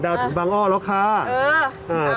ดาวถึงบางอ้อแล้วค่ะเออ